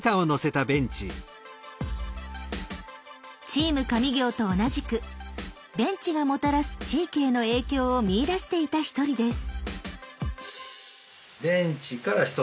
「チーム上京！」と同じくベンチがもたらす地域への影響を見いだしていた一人です。